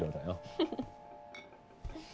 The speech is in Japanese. フフフ。